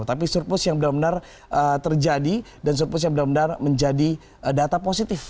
tapi surplus yang benar benar terjadi dan surplusnya benar benar menjadi data positif